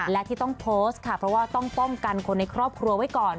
และที่ต้องโพสต์ค่ะเพราะว่าต้องป้องกันคนในครอบครัวไว้ก่อน